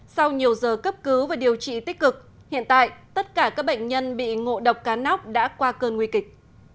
sau nhiều giờ cấp cứu và điều trị tích cực hiện tại tất cả các bệnh nhân bị ngộ độc cá nóc đã qua cơn nguy kịch